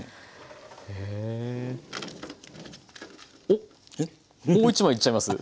おっもう１枚いっちゃいます？